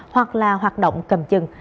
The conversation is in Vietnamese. hoặc là hoạt động cầm chừng